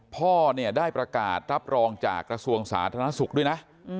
พ่อเนี่ยได้ประกาศรับรองจากกระทรวงสาธารณสุขด้วยนะ